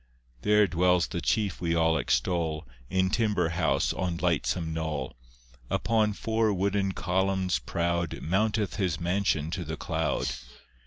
There dwells the chief we all extol In timber house on lightsome knoll; Upon four wooden columns proud Mounteth his mansion to the cloud.